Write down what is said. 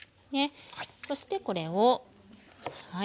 そしてこれをはい。